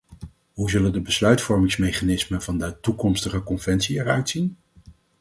Hoe zullen de besluitvormingsmechanismen van de toekomstige conventie er uitzien?